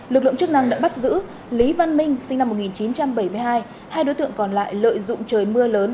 lực lượng chức năng đã bắt giữ lý văn minh sinh năm một nghìn chín trăm bảy mươi hai hai đối tượng còn lại lợi dụng trời mưa lớn